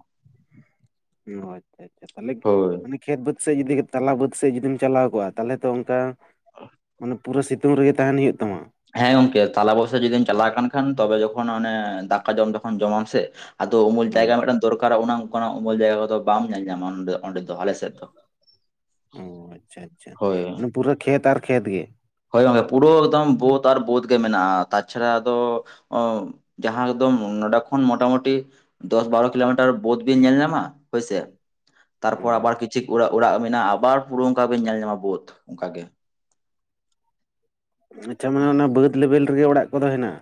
ᱚ ᱟᱪᱪᱷᱟ ᱟᱪᱪᱷᱟ ᱛᱟᱦᱚᱞᱮ ᱦᱳᱭ ᱢᱟᱱᱮ ᱠᱷᱮᱛ ᱵᱟᱹᱫᱽ ᱥᱮᱫ ᱡᱩᱫᱤ ᱛᱟᱞᱟ ᱵᱟᱹᱫᱽ ᱥᱮᱮᱫ ᱡᱩᱫᱤᱢ ᱪᱟᱞᱟᱣ ᱠᱚᱜᱼᱟ ᱛᱟᱦᱚᱞᱮ ᱛᱚ ᱚᱱᱠᱟ ᱢᱟᱱᱮ ᱯᱩᱨᱟᱹ ᱥᱤᱛᱩᱝ ᱨᱮᱜᱮ ᱛᱟᱦᱮᱱ ᱦᱩᱭᱩᱜ ᱛᱟᱢᱟ ᱦᱮᱸ ᱜᱚᱝᱠᱮ ᱛᱟᱞᱟ ᱵᱚᱭᱥᱟ ᱡᱩᱫᱤᱢ ᱪᱟᱞᱟᱣ ᱠᱟᱱ ᱠᱷᱟᱱ ᱛᱚᱵᱮ ᱡᱚᱠᱷᱚᱱ ᱚᱱᱚ ᱫᱟᱠᱟ ᱡᱚᱢ ᱡᱚᱠᱷᱚᱱ ᱡᱚᱢᱟᱢ ᱥᱮ ᱟᱫᱚ ᱩᱢᱩᱞ ᱦᱳᱭ ᱡᱟᱭᱜᱟ ᱢᱤᱫᱴᱟᱝ ᱫᱚᱨᱠᱟᱨᱟ ᱚᱱᱟ ᱚᱱᱠᱟ ᱩᱢᱩᱞ ᱡᱟᱭᱜᱟ ᱠᱚᱫᱚ ᱵᱟᱢ ᱧᱮᱞ ᱧᱟᱞᱧᱟᱢᱟ ᱚᱸᱰᱮ ᱫᱚ ᱟᱞᱮᱥᱮᱫ ᱚ ᱟᱪᱪᱷᱟ ᱟᱪᱪᱷᱟ ᱢᱮ ᱯᱩᱨᱟᱹ ᱠᱷᱮᱛ ᱟᱨ ᱠᱷᱮᱛ ᱜᱮ ᱦᱳᱭ ᱦᱳᱭ ᱯᱩᱨᱟᱹ ᱮᱠᱫᱚᱢ ᱵᱳᱫ ᱟᱨ ᱵᱳᱹᱫ ᱜᱮ ᱢᱮᱱᱟᱜᱼᱟ ᱛᱟᱪᱷᱟᱲᱟ ᱟᱫᱚ ᱡᱟᱦᱟᱸ ᱮᱠᱫᱚᱢ ᱱᱚᱰᱮ ᱠᱷᱚᱱ ᱢᱚᱴᱟᱢᱩᱴᱤ ᱫᱚᱥ ᱵᱟᱨᱚ ᱠᱤᱞᱳᱢᱤᱴᱟᱨ ᱵᱳᱫ ᱵᱤᱱ ᱧᱮᱞ ᱧᱟᱢᱟ ᱦᱳᱭ ᱥᱮ ᱚ ᱛᱟᱨᱯᱚᱨ ᱟᱵᱟᱨ ᱠᱤᱪᱷᱩ ᱚᱲᱟᱜ ᱚᱲᱟᱜ ᱢᱮᱱᱟᱜᱼᱟ ᱟᱵᱟᱨ ᱯᱩᱨᱟ ᱚᱱᱠᱟ ᱜᱮ ᱧᱮᱞ ᱧᱟᱢᱟ ᱵᱟᱹᱫ ᱚᱱᱠᱟ ᱜᱮ ᱟᱪᱪᱷᱟ ᱢᱟᱱᱮ ᱚᱱᱟ ᱵᱟᱹᱫᱽ ᱞᱮᱵᱮᱞ ᱨᱮᱜᱮ ᱚᱲᱟᱜ ᱠᱚᱫᱚ ᱦᱮᱱᱟᱜᱼᱟ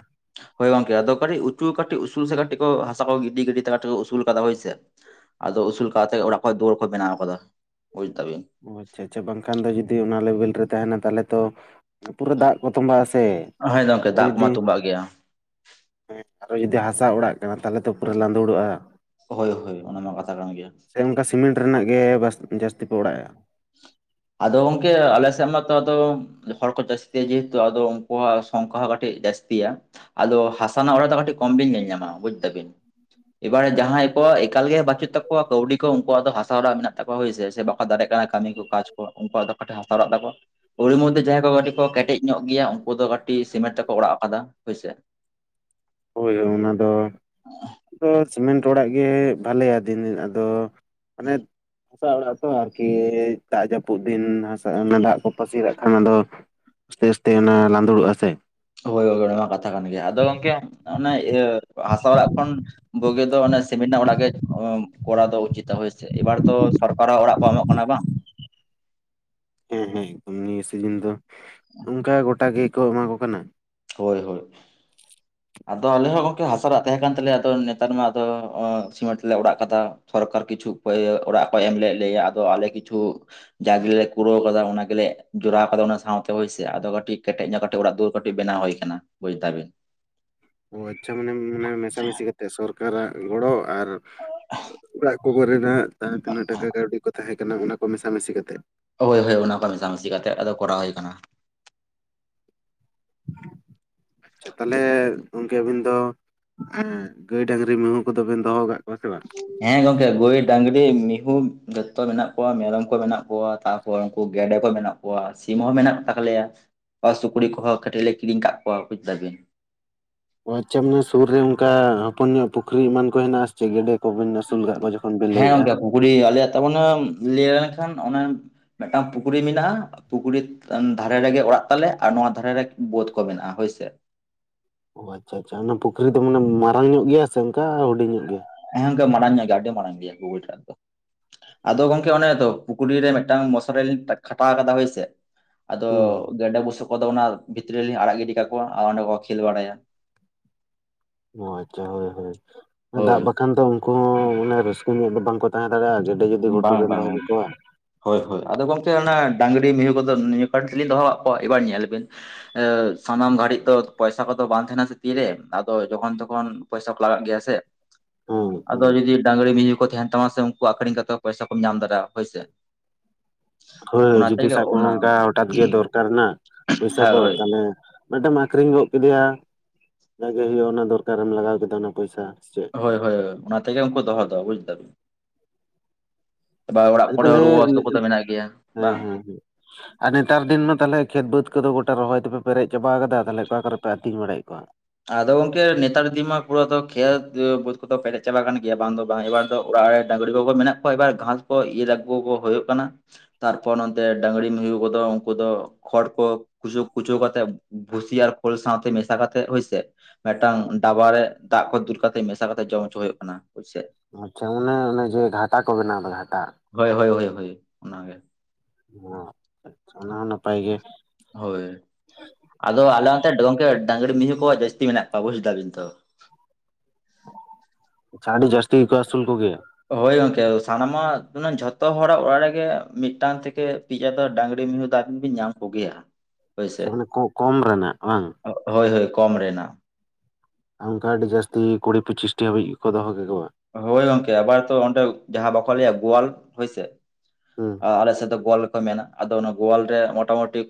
ᱦᱳᱭ ᱜᱚᱝᱠᱮ ᱟᱫᱚ ᱠᱟᱹᱴᱤᱡ ᱩᱪᱩ ᱠᱟᱹᱴᱤᱡ ᱩᱥᱩᱞ ᱥᱮ ᱠᱟᱹᱴᱤᱡ ᱠᱚ ᱦᱟᱥᱟ ᱠᱚ ᱜᱤᱰᱤ ᱜᱤᱰᱤ ᱛᱮ ᱟᱫᱚ ᱠᱚ ᱩᱥᱩᱞ ᱠᱟᱫᱟ ᱦᱳᱭ ᱥᱮ ᱟᱫᱚ ᱩᱥᱩᱞ ᱠᱟᱛᱮ ᱚᱲᱟᱜ ᱠᱷᱚᱡ ᱫᱩᱣᱟᱹᱨ ᱠᱚ ᱵᱮᱱᱟᱣ ᱟᱠᱟᱫᱟ ᱵᱩᱡ ᱫᱟᱵᱤᱱ ᱚ ᱟᱪᱪᱷᱟ ᱟᱪᱪᱷᱟ ᱵᱟᱝᱠᱷᱟᱱ ᱫᱚ ᱡᱩᱫᱤ ᱚᱱᱟ ᱞᱮᱵᱮᱞ ᱨᱮ ᱛᱟᱦᱮᱱᱟ ᱛᱟᱦᱚᱞᱮ ᱛᱚ ᱯᱩᱨᱟᱹ ᱫᱟᱜ ᱠᱚ ᱛᱚᱸᱵᱟᱜ ᱼᱟ ᱥᱮ ᱦᱳᱭ ᱜᱚᱢᱠᱮ ᱫᱟᱜ ᱢᱟ ᱛᱳᱵᱟᱜ ᱜᱮᱭᱟ ᱦᱮᱸ ᱟᱨᱦᱚ ᱡᱩᱫᱤ ᱦᱟᱥᱟ ᱚᱲᱟᱜ ᱠᱟᱱᱟ ᱛᱟᱦᱚᱞᱮ ᱛᱚ ᱯᱩᱨᱟᱹ ᱞᱟᱸᱫᱩᱲᱚᱜᱼᱟ ᱦᱳᱭ ᱦᱳᱭ ᱚᱱᱟᱢᱟ ᱠᱟᱛᱷᱟ ᱠᱟᱱ ᱜᱮᱭᱟ ᱥᱮ ᱚᱱᱠᱟ ᱥᱤᱢᱮᱱᱴ ᱨᱮᱱᱟᱜ ᱜᱮ ᱡᱟᱹᱥᱛᱤ ᱯᱮ ᱚᱲᱟᱜ ᱮᱫᱟ ᱟᱫᱚ ᱜᱚᱝᱠᱮ ᱟᱞᱮ ᱥᱮᱫ ᱢᱟᱛᱚ ᱟᱫᱚ ᱦᱚᱲ ᱠᱚ ᱡᱟᱹᱥᱛᱤ ᱡᱮᱦᱮᱛᱩ ᱟᱫᱚ ᱩᱱᱠᱩᱣᱟᱜ ᱥᱚᱝᱠᱷᱟ ᱦᱚᱸ ᱠᱟᱹᱴᱤᱡ ᱡᱟᱹᱥᱛᱤᱭᱟ ᱟᱫᱚ ᱦᱟᱥᱟ ᱨᱮᱱᱟᱜ ᱚᱲᱟᱜ ᱫᱚ ᱠᱟᱹᱴᱤᱡ ᱠᱚᱢ ᱵᱤᱱ ᱧᱮᱞ ᱧᱟᱢᱟ ᱵᱩᱡ ᱫᱟᱵᱤᱱ ᱮᱵᱟᱨᱮ ᱡᱟᱦᱟᱸᱭ ᱠᱚᱣᱟᱜ ᱮᱠᱟᱞ ᱜᱮ ᱵᱟᱪᱩᱜ ᱛᱟᱠᱚᱣᱟ ᱠᱟᱣᱰᱤ ᱠᱚ ᱩᱱᱠᱩᱣᱟᱜ ᱫᱚ ᱦᱟᱥᱟ ᱚᱲᱟᱜ ᱢᱮᱱᱟᱜ ᱛᱟᱠᱚᱣᱟ ᱦᱳᱭᱥᱮ ᱥᱮ ᱵᱟᱠᱚ ᱫᱟᱲᱮ ᱠᱟᱣ ᱠᱟᱹᱢᱤ ᱠᱚ ᱠᱟᱡ ᱠᱚᱣᱟᱜ ᱩᱱᱠᱩᱣᱟᱜ ᱫᱚ ᱠᱟᱹᱴᱤᱡ ᱦᱟᱥᱟ ᱚᱲᱟᱜ ᱛᱟᱠᱚᱣᱟ ᱚᱲᱤ ᱢᱚᱫᱷᱮ ᱡᱟᱦᱟᱸᱭ ᱠᱚ ᱠᱟᱴᱤᱡᱽ ᱠᱚ ᱠᱮᱴᱮᱡᱽ‌ ᱧᱚᱜ ᱜᱮᱭᱟ ᱩᱱᱠᱩ ᱫᱚ ᱠᱟᱹᱴᱤᱡᱽ ᱥᱤᱢᱮᱱᱴ ᱛᱮᱠᱚ ᱚᱲᱟᱜ ᱟᱠᱟᱫᱟ ᱦᱳᱭᱥᱮ *inaudible* ᱦᱳᱭ ᱦᱳᱭ ᱚᱱᱟ ᱫᱚ ᱟᱫᱚ ᱥᱤᱢᱮᱱᱴ ᱚᱲᱟᱜ ᱜᱮ ᱵᱷᱟᱞᱮᱭᱟ ᱫᱤᱱ ᱟᱫᱚ ᱢᱟᱱᱮ ᱦᱟᱥᱟ ᱚᱲᱟᱜ ᱛᱚ ᱟᱨᱠᱤ ᱫᱟᱜᱽ ᱡᱟᱹᱯᱩᱫ ᱫᱤᱱ ᱦᱟᱥᱟ ᱚᱱᱟ ᱫᱟᱜᱽ ᱠᱚ ᱯᱟᱹᱥᱤᱨᱟᱜ ᱠᱷᱟᱱ ᱟᱫᱚ ᱛᱮᱥ ᱛᱮ ᱚᱱᱟ ᱞᱟᱸᱫᱩᱲᱚᱜᱼᱟ ᱥᱮ ᱦᱳᱭ ᱠᱚᱜᱮ ᱠᱟᱛᱷᱟ ᱠᱟᱱ ᱜᱮᱭᱟ ᱟᱫᱚ ᱜᱚᱝᱠᱮ ᱚᱱᱮ ᱤᱭᱟᱹ ᱦᱟᱥᱟ ᱚᱲᱟᱜ ᱠᱷᱚᱱ ᱵᱩᱜᱤ ᱫᱚ ᱚᱱᱮ ᱥᱤᱢᱤᱱ ᱨᱮᱱᱟᱜ ᱚᱲᱟᱜ ᱜᱮ ᱠᱚᱨᱟᱣ ᱫᱚ ᱩᱪᱤᱛᱟ ᱦᱳᱭ ᱥᱮ ᱮᱵᱟᱨ ᱛᱚ ᱥᱚᱨᱠᱟᱨᱟᱜ ᱚᱲᱟᱜ ᱠᱚ ᱮᱢᱚᱜ ᱠᱟᱱᱟ ᱵᱟᱝ ᱦᱮᱸ ᱦᱮᱸ ᱮᱠᱫᱚᱢ ᱱᱤᱭᱟᱹ ᱥᱤᱡᱤᱱ ᱫᱚ ᱚᱱᱠᱟ ᱜᱚᱴᱟ ᱜᱮᱠᱚ ᱮᱢᱟ ᱠᱚ ᱠᱟᱱᱟ᱾ ᱦᱳᱭ ᱦᱳᱭ *inaudible* ᱟᱫᱚ ᱟᱞᱮ ᱦᱚᱸ ᱜᱚᱝᱠᱮ ᱦᱟᱥᱟ ᱚᱲᱟᱜ ᱛᱟᱦᱮᱸ ᱠᱟᱱ ᱛᱟᱞᱮᱭᱟ ᱟᱫᱚ ᱱᱮᱛᱟᱨ ᱢᱟ ᱟᱫᱚ ᱥᱤᱢᱮᱱᱴ ᱛᱮᱞᱮ ᱚᱲᱟᱜ ᱟᱠᱟᱫᱟ᱾ ᱥᱚᱨᱠᱟᱨ ᱠᱤᱪᱷᱩ ᱚᱲᱟᱜ ᱠᱚᱭ ᱮᱢ ᱞᱮᱫ ᱞᱮᱭᱟ ᱟᱫᱚ ᱟᱞᱮ ᱠᱤᱪᱷᱩ ᱡᱟ ᱜᱮᱞᱮ ᱠᱩᱲᱟᱹᱣ ᱟᱠᱟᱫᱟ ᱚᱱᱟ ᱜᱮᱞᱮ ᱡᱚᱲᱟᱣ ᱟᱠᱟᱫᱟ ᱚᱱᱟ ᱥᱟᱶᱛᱮ ᱦᱳᱭ ᱥᱮ ᱟᱫᱚ ᱠᱟᱹᱴᱤᱡᱽ ᱠᱮᱴᱮᱡᱽ ᱧᱚᱜ ᱠᱟᱹᱴᱤᱡᱽ ᱚᱲᱟᱜ ᱫᱩᱣᱟᱹᱨ ᱵᱮᱱᱟᱣ ᱦᱩᱭ ᱟᱠᱟᱱᱟ ᱵᱩᱡᱽ ᱫᱟᱵᱤᱱ ᱚ ᱟᱪᱪᱷᱟ ᱢᱟᱱᱮ ᱢᱟᱱᱮ ᱢᱮᱥᱟᱢᱤᱥᱤ ᱠᱟᱛᱮᱜ ᱥᱚᱨᱠᱟᱨᱟᱜ ᱜᱚᱲᱚ ᱟᱨ ᱚᱲᱟᱜ ᱠᱚ ᱠᱚᱨᱮᱱᱟᱜ ᱡᱟᱦᱟᱸ ᱛᱤᱱᱟᱹᱜ ᱴᱟᱠᱟ ᱠᱟᱹᱣᱰᱤ ᱠᱚ ᱛᱟᱦᱮᱸ ᱠᱟᱱᱟ ᱚᱱᱟ ᱠᱚ ᱢᱮᱥᱟᱢᱤᱥᱤ ᱠᱚ ᱠᱟᱛᱮᱫ ᱦᱳᱭ ᱦᱳᱭ ᱚᱱᱟ ᱠᱚ ᱢᱮᱥᱟᱢᱤᱥᱤ ᱠᱟᱛᱮᱫ ᱟᱫᱚ ᱠᱚᱨᱟᱣ ᱦᱩᱭ ᱟᱠᱟᱱᱟ᱾ *inaudible* ᱟᱪᱪᱷᱟ ᱛᱟᱦᱚᱞᱮ ᱜᱚᱝᱠᱮ ᱟᱵᱤᱱ ᱫᱚ ᱜᱟᱹᱭ ᱰᱟᱝᱨᱤ ᱢᱤᱭᱦᱩ ᱠᱚᱫᱚ ᱵᱮᱱ ᱫᱚᱦᱚ ᱠᱟᱜ ᱠᱚᱣᱟ ᱥᱮ ᱵᱟᱝ ᱦᱮᱸ ᱜᱚᱝᱠᱮ ᱜᱟᱹᱭ ᱰᱟᱹᱝᱨᱤ ᱢᱤᱭᱦᱩ ᱡᱚᱛᱚ ᱢᱮᱱᱟᱜ ᱠᱚᱣᱟ ᱢᱮᱨᱚᱢ ᱠᱚ ᱢᱮᱱᱟᱜ ᱠᱚᱣᱟ ᱛᱟᱨ ᱠᱚᱣᱟ ᱩᱱᱠᱩ ᱜᱮᱰᱮ ᱠᱚ ᱢᱮᱱᱟᱜ ᱠᱚᱣᱟ ᱥᱤᱢ ᱦᱚᱸ ᱢᱮᱱᱟᱜ ᱛᱟᱞᱮᱭᱟ᱾ ᱚ ᱥᱩᱠᱨᱤ ᱠᱚᱦᱚᱸ ᱠᱟᱹᱴᱤᱡᱽ ᱞᱮ ᱠᱤᱨᱤᱧ ᱠᱟᱫ ᱠᱚᱣᱟ ᱵᱩᱡᱽ ᱫᱟᱵᱤᱱ ᱚ ᱟᱪᱪᱷᱟ ᱢᱟᱱᱮ ᱥᱩᱨ ᱨᱮ ᱚᱱᱠᱟ ᱦᱚᱯᱚᱱ ᱧᱚᱜ ᱯᱩᱠᱷᱨᱤ ᱮᱢᱟᱱ ᱠᱚ ᱦᱮᱱᱟᱜᱼᱟ ᱥᱮ ᱪᱮ ᱜᱮᱰᱮ ᱠᱚ ᱵᱤᱱ ᱟᱹᱥᱩᱞ ᱟᱠᱟᱫ ᱠᱚᱣᱟ ᱡᱚᱠᱷᱚᱱ ᱵᱤᱱ ᱦᱮᱸ ᱞᱟᱹᱭᱮᱜᱼᱟ ᱜᱚᱝᱠᱮ ᱯᱩᱠᱷᱨᱤ ᱟᱞᱮᱭᱟᱜ ᱛᱟ ᱢᱟᱱᱮ ᱞᱟᱹᱭ ᱞᱮᱱᱠᱷᱟᱱ ᱚᱱᱟ ᱢᱤᱫᱴᱟᱝ ᱯᱩᱠᱷᱨᱤ ᱢᱮᱱᱟᱜᱼᱟ ᱯᱩᱠᱷᱨᱤ ᱫᱷᱟᱨᱮ ᱨᱮᱜᱮ ᱚᱲᱟᱜ ᱛᱟᱞᱮ ᱟᱨ ᱱᱚᱣᱟ ᱫᱷᱟᱨᱮ ᱨᱮ ᱵᱟᱹᱫᱽ ᱠᱚ ᱢᱮᱱᱟᱜᱼᱟ ᱦᱳᱭ ᱥᱮ ᱚ ᱟᱪᱪᱷᱟ ᱟᱪᱪᱷᱟ ᱚᱱᱟ ᱯᱩᱠᱷᱨᱤ ᱫᱚ ᱢᱟᱱᱮ ᱢᱟᱨᱟᱝ ᱧᱚᱜ ᱜᱮᱭᱟ ᱥᱮ ᱚᱱᱠᱟ ᱦᱩᱰᱤᱧ ᱧᱚᱜ ᱜᱮᱭᱟ᱾ ᱦᱮ ᱜᱚᱝᱠᱮ ᱢᱟᱲᱟᱝ ᱧᱚᱜ ᱜᱮᱭᱟ ᱟᱹᱰᱤ ᱢᱟᱲᱟᱝ ᱜᱮᱭᱟ ᱯᱩᱠᱷᱨᱤ ᱴᱟᱜ ᱫᱚ ᱟᱫᱚ ᱜᱚᱝᱠᱮ ᱚᱱᱮ ᱛᱚ ᱯᱩᱠᱷᱨᱤ ᱨᱮ ᱢᱤᱫᱴᱟᱝ ᱢᱚᱥᱟᱨᱤ ᱞᱤᱧ ᱠᱷᱟᱴᱟᱣ ᱟᱠᱟᱫᱟ ᱦᱳᱭ ᱥᱮ ᱟᱫᱚ ᱦᱩᱸ ᱦᱩᱸ, ᱜᱮᱰᱮ ᱵᱩᱥᱟᱹᱜ ᱠᱚᱫᱚ ᱚᱱᱟ ᱵᱷᱤᱛᱨᱤ ᱨᱮ ᱞᱤᱧ ᱟᱲᱟᱜ ᱜᱤᱰᱤ ᱠᱟᱠᱚᱣᱟ ᱚᱸᱰᱮ ᱠᱚ ᱠᱷᱮᱞ ᱵᱟᱲᱟᱭᱟ᱾ ᱚ ᱟᱪᱪᱷᱟ ᱦᱳᱭ ᱦᱳᱭ ᱫᱟᱜᱽ ᱦᱳᱭ ᱵᱟᱠᱷᱟᱱ ᱫᱚ ᱩᱱᱠᱩ ᱦᱚᱸ ᱢᱟᱱᱮ ᱨᱟᱹᱥᱠᱟᱹ ᱧᱚᱜ ᱫᱚ ᱵᱟᱝᱠᱚ ᱛᱟᱦᱮᱸ ᱫᱟᱲᱮᱭᱟᱜᱼᱟ ᱜᱮᱰᱮ ᱡᱩᱫᱤ ᱜᱷᱩᱴᱩ ᱵᱟᱝ ᱨᱮᱢ ᱵᱟᱝ ᱫᱚᱦᱚ ᱠᱟᱠᱚᱣᱟ ᱦᱳᱭ ᱦᱳᱭ ᱟᱫᱚ ᱜᱚᱝᱠᱮ ᱚᱱᱟ ᱰᱟᱝᱨᱤ ᱢᱤᱭᱦᱩ ᱠᱚᱫᱚ ᱱᱤᱭᱟᱹ ᱠᱟᱨᱚᱱ ᱛᱮᱞᱤᱧ ᱫᱚᱦᱚ ᱠᱟᱫ ᱠᱚᱣᱟ ᱮᱵᱟᱨ ᱧᱮᱞ ᱵᱤᱱ ᱮ ᱥᱟᱱᱟᱢ ᱜᱷᱟᱹᱲᱤᱡ ᱫᱚ ᱯᱚᱭᱥᱟ ᱠᱚᱫᱚ ᱵᱟᱝ ᱛᱟᱦᱮᱸᱱᱟ ᱥᱮ ᱛᱤᱨᱮ ᱟᱫᱚ ᱡᱚᱠᱷᱚᱱ ᱛᱚᱠᱷᱚᱱ ᱯᱚᱭᱥᱟ ᱠᱚ ᱞᱟᱜᱟᱜ ᱜᱮᱭᱟ ᱥᱮ ᱟᱫᱚ ᱦᱮᱸ ᱡᱩᱫᱤ ᱰᱟᱝᱨᱤ ᱢᱤᱭᱦᱩ ᱠᱚ ᱛᱟᱦᱮᱱ ᱛᱟᱢᱟ ᱥᱮ ᱩᱱᱠᱩ ᱟᱹᱷᱨᱤᱧ ᱠᱟᱛᱮ ᱛᱚ ᱯᱚᱭᱥᱟ ᱠᱚᱢ ᱧᱟᱢ ᱫᱟᱲᱮᱭᱟᱜ ᱦᱳᱭ ᱥᱮ ᱦᱳᱭ ᱡᱩᱫᱤ ᱥᱟᱵ ᱠᱟᱜ ᱢᱮ ᱚᱱᱟ ᱚᱱᱠᱟ ᱦᱚᱴᱟᱛ ᱜᱮ ᱫᱚᱨᱠᱟᱨ ᱱᱟ ᱯᱚᱭᱥᱟ ᱦᱮᱸ ᱠᱚ ᱦᱳᱭ ᱛᱟᱦᱚᱞᱮ ᱢᱤᱫᱴᱮᱢ ᱟᱹᱠᱷᱨᱤᱧ ᱜᱚᱫ ᱠᱮᱫᱮᱭᱟ ᱡᱟᱜᱮ ᱦᱩᱭᱩᱜ-ᱟ ᱚᱱᱟ ᱫᱚᱨᱠᱟᱨ ᱨᱮᱢ ᱞᱟᱜᱟᱣ ᱠᱮᱫᱟ ᱚᱱᱟ ᱯᱚᱭᱥᱟ ᱥᱮ ᱪᱮᱫ ᱦᱳᱭ ᱦᱳᱭ ᱚᱱᱟ ᱛᱮᱜᱮ ᱩᱱᱠᱩ ᱫᱚᱦᱚ ᱫᱚ ᱵᱩᱡᱽ ᱫᱟᱹᱵᱤᱱ ᱮᱵᱟᱨ ᱚᱲᱟᱜ ᱟᱪᱪᱷᱟ ᱠᱚᱨᱮ ᱛᱟᱦᱚᱞᱮ ᱦᱚᱸ ᱨᱩᱣᱟᱹ ᱦᱟᱹᱥᱩ ᱦᱮᱸ ᱠᱚ ᱫᱚ ᱢᱮᱱᱟᱜ ᱜᱮᱭᱟ ᱦᱮᱸ ᱵᱟᱝ ᱦᱮᱸ ᱟᱨ ᱱᱮᱛᱟᱨ ᱫᱤᱱ ᱢᱟ ᱛᱟᱦᱚᱞᱮ ᱠᱷᱮᱛ ᱵᱟᱹᱫᱽ ᱠᱚᱫᱚ ᱜᱚᱴᱟ ᱨᱚᱦᱚᱭ ᱛᱮᱯᱮ ᱯᱮᱨᱮᱡᱽ ᱪᱟᱵᱟ ᱠᱟᱫᱟ ᱛᱟᱦᱞᱮ ᱚᱠᱟ ᱠᱚᱨᱮ ᱯᱮ ᱟᱹᱛᱤᱧ ᱵᱟᱲᱟᱭᱮᱫ ᱠᱚᱣᱟ? ᱟᱫᱚ ᱜᱚᱝᱠᱮ ᱱᱮᱛᱟᱨ ᱫᱤᱱᱢᱟ ᱯᱩᱨᱟᱹ ᱟᱫᱚ ᱠᱷᱮᱛ ᱵᱟᱹᱫᱽ ᱠᱚᱫᱚ ᱯᱮᱨᱮᱡ ᱪᱟᱵᱟ ᱠᱟᱱ ᱜᱮᱭᱟ ᱵᱟᱝ ᱫᱚ ᱵᱟᱝ ᱮᱵᱟᱨ ᱛᱚ ᱚᱲᱟᱜ ᱨᱮ ᱰᱟᱝᱨᱤ ᱠᱚᱠᱚ ᱢᱮᱱᱟᱜ ᱠᱚᱣᱟ ᱮᱵᱟᱨ ᱜᱷᱟᱥ ᱠᱚ ᱤᱨ ᱟᱹᱜᱩ ᱠᱚ ᱦᱳᱭᱳᱜ ᱠᱟᱱᱟ᱾ ᱛᱟᱨᱯᱚᱨ ᱱᱚᱱᱛᱮ ᱰᱟᱝᱨᱤ ᱢᱤᱭᱦᱩ ᱠᱚᱫᱚ ᱩᱱᱠᱩ ᱫᱚ ᱠᱷᱚᱲ ᱠᱚ ᱠᱩᱪᱩ ᱠᱩᱪᱟᱹ ᱠᱟᱛᱮ ᱵᱷᱩᱥᱤ ᱟᱨ ᱠᱷᱳᱞ ᱥᱟᱶᱛᱮ ᱢᱮᱥᱟ ᱠᱟᱛᱮ ᱦᱳᱭ ᱥᱮ ᱛᱮᱫ ᱢᱤᱫᱴᱟᱝ ᱰᱟᱵᱟ ᱨᱮ ᱫᱟᱜᱽ ᱠᱚ ᱫᱩᱞ ᱠᱟᱛᱮᱫ ᱢᱮᱥᱟ ᱠᱟᱛᱮᱫ ᱡᱚᱢ ᱦᱚᱪᱚ ᱦᱳᱭᱳᱜ ᱠᱟᱱᱟ ᱦᱳᱭ ᱥᱮ। ᱟᱪᱪᱷᱟ ᱚᱱᱮ ᱚᱱᱮ ᱡᱮ ᱜᱷᱟᱴᱟ ᱠᱚ ᱵᱮᱱᱟᱣ ᱫᱚ ᱜᱷᱟᱴᱟ ᱦᱳᱭ ᱦᱳᱭ ᱦᱳᱭ ᱚᱱᱟ ᱜᱮ ᱦᱮᱸ ᱟᱪᱷᱷᱟ ᱱᱟᱜ ᱱᱟᱯᱟᱭ ᱜᱮ ᱦᱳᱭ ᱟᱫᱚ ᱟᱞᱮ ᱚᱱᱛᱮ ᱜᱚᱝᱠᱮ ᱰᱟᱝᱨᱤ ᱢᱤᱦᱩ ᱠᱚ ᱡᱟᱹᱥᱛᱤ ᱢᱮᱱᱟᱜ ᱠᱚᱣᱟ ᱵᱩᱡ ᱮ ᱫᱟᱹᱵᱤᱱ ᱛᱚ ᱟᱪᱪᱷᱟ ᱟᱹᱰᱤ ᱡᱟᱹᱥᱛᱤ ᱜᱮ ᱠᱚ ᱟᱹᱥᱩᱞ ᱠᱚᱜᱮᱭᱟ ᱦᱳᱭ ᱜᱚᱝᱠᱮ ᱥᱟᱱᱟᱢᱟᱜ ᱡᱷᱚᱛᱚ ᱦᱚᱲᱟᱜ ᱚᱲᱟᱜ ᱨᱮᱜᱮ ᱢᱤᱫᱴᱟᱝ ᱛᱷᱮᱠᱮ ᱯᱤᱭᱟ ᱫᱚ ᱰᱟᱝᱨᱤ ᱢᱤᱦᱩ *unintelligible* ᱵᱤᱱ ᱧᱟᱢ ᱠᱚᱜᱮᱭᱟ ᱥᱮ ᱢᱟᱱᱮ ᱠᱚᱼᱠᱚᱢ ᱨᱮᱱᱟᱜ ᱵᱟᱝ ᱦᱳᱭ ᱦᱳᱭ ᱠᱚᱢ ᱨᱮᱱᱟᱜ ᱚᱱᱠᱟ ᱟᱹᱰᱤ ᱡᱟᱹᱥᱛᱤ ᱠᱩᱲᱤ ᱯᱚᱸᱪᱤᱥᱴᱤ ᱦᱟᱹᱵᱤᱡ ᱜᱮᱠᱚ ᱫᱚᱦᱚ ᱠᱮᱠᱚᱣᱟ ᱦᱳᱭ ᱜᱚᱝᱠᱮ ᱟᱵᱟᱨ ᱛᱚ ᱚᱸᱰᱮ ᱡᱟᱦᱟᱸ ᱵᱟᱠᱚ ᱞᱟᱹᱭᱟ ᱜᱳᱣᱟᱞ ᱦᱳᱭ ᱥᱮ᱾ ᱦᱩᱸ ᱟᱞᱮ ᱥᱮᱫ ᱫᱚ ᱜᱳᱣᱟᱞ ᱜᱮᱠᱚ ᱢᱮᱱᱟ ᱟᱫᱚ ᱚᱱᱟ ᱜᱳᱣᱟᱞ ᱨᱮ ᱢᱚᱴᱟ ᱢᱩᱴᱤ